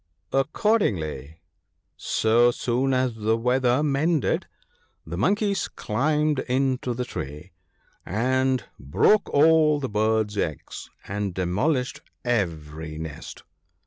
Accordingly, so soon as the weather mended, the Monkeys climbed into 90 THE BOOK OF GOOD COUNSELS. the tree, and broke all the bird's eggs and demolished every nest.